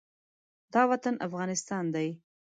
دا وطن افغانستان دی.